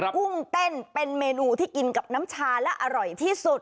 กุ้งเต้นเป็นเมนูที่กินกับน้ำชาและอร่อยที่สุด